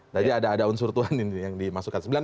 jadi ada unsur tuhan yang dimasukkan